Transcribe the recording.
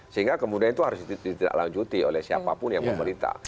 sehingga kemudian itu harus ditelanjuti oleh siapapun yang pemerintah